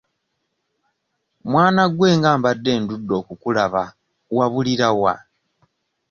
Mwana gwe nga mbadde ndudde okukulaba wabulira wa?